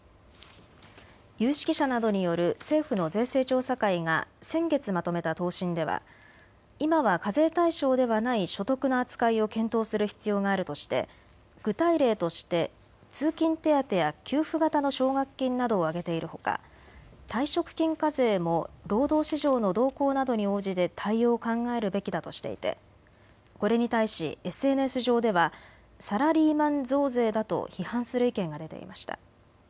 有識者などによる政府の税制調査会が先月まとめた答申では今は課税対象ではない所得の扱いを検討する必要があるとして具体例として通勤手当や給付型の奨学金などを挙げているほか退職金課税も労働市場の動向などに応じて対応を考えるべきだとしていて、これに対しＳＮＳ上ではサラリーマン増税だと批判する意見が出ていました。